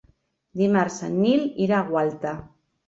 Dimarts en Nil irà a Gualta.